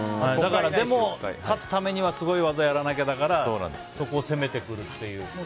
でも、勝つためにはすごい技をやらなきゃだからそこを攻めてくるっていう。